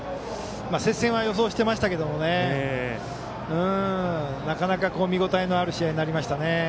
接戦は予想してましたけどなかなか、見応えのある試合になりましたね。